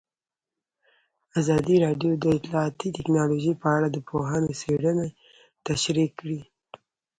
ازادي راډیو د اطلاعاتی تکنالوژي په اړه د پوهانو څېړنې تشریح کړې.